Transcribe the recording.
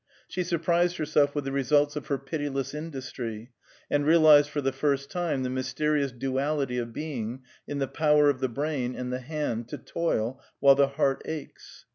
She surprised herself with the results of her pitiless industry, and realized for the first time the mysterious duality of being, in the power of the brain and the hand to toil while the heart aches.